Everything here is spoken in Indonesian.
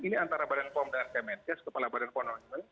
ini antara badan pom dan kemenkes kepala badan pom